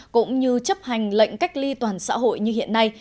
cũng như chấp hành lệnh cách ly toàn xã hội như hiện nay